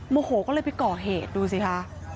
โมโหก็เลยไปก่อเหตุดูสิคะ